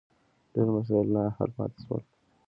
ډېر مسایل نا حل پاتې شول.